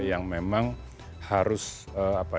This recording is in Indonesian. yang memang harus diperhatikan